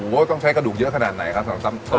โห้ต้องใช้กระดูกเยอะขนาดไหนครับส่วนสามสม